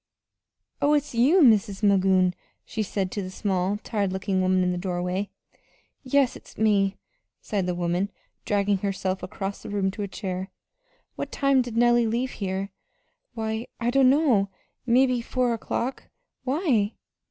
"Oh, it's you, Mis' Magoon," she said to the small, tired looking woman in the doorway. "Yes, it's me," sighed the woman, dragging herself across the room to a chair. "What time did Nellie leave here?" "Why, I dunno mebbe four o'clock. Why?"